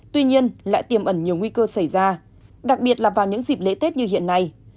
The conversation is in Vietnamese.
tuy nhiên lại tiềm ẩn nhiều nguy cơ xảy ra đặc biệt là vào những dịp lễ tết như hiện nay